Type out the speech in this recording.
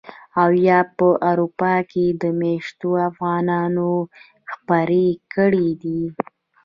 او يا په اروپا کې مېشتو افغانانو خپرې کړي دي.